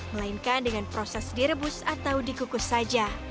melainkan dengan proses direbus atau dikukus saja